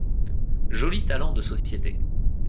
Joli talent de société !